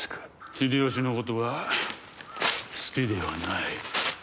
秀吉のことは好きではない。